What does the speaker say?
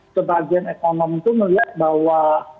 sebagian ekonom itu melihat bahwa